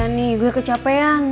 ya nih gue kecapean